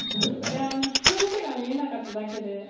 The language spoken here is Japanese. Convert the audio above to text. いや普通の手が見えなかっただけで。